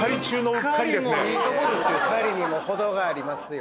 うっかりにも程がありますよ。